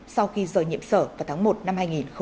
sau khi rời nhiệm sở vào tháng một năm hai nghìn hai mươi